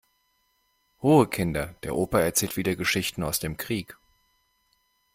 Ruhe Kinder, der Opa erzählt wieder Geschichten aus dem Krieg.